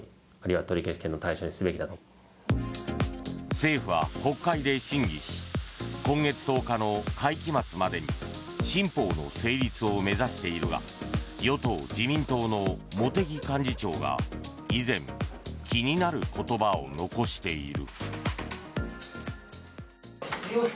政府は、国会で審議し今月１０日の会期末までに新法の成立を目指しているが与党・自民党の茂木幹事長が以前、気になる言葉を残している。